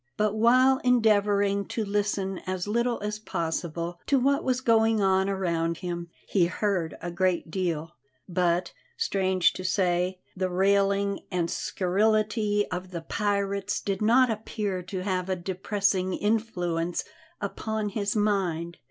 But while endeavouring to listen as little as possible to what was going on around him, he heard a great deal; but, strange to say, the railing and scurrility of the pirates did not appear to have a depressing influence upon his mind.